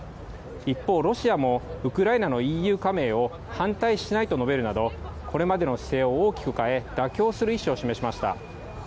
一方、ロシアもウクライナのＥＵ加盟を反対しないと述べるなどこれまでの姿勢を大きく変え妥協する意思を示しました。